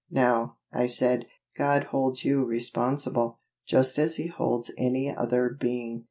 "Now," I said, "God holds you responsible, just as He holds any other being.